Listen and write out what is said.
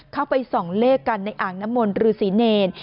เข้าไปส่องเลขกันในอ่างน้ำมนต์ฤษีเนร